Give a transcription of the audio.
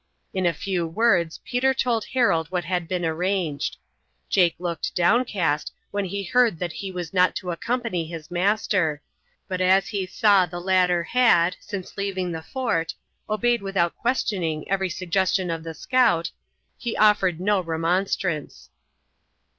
In a few words Peter told Harold what had been arranged. Jake looked downcast when he heard that he was not to accompany his master, but as he saw the latter had, since leaving the fort, obeyed without questioning every suggestion of the scout, he offered no remonstrance.